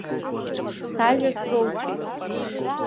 Сажәа сроуцәеит.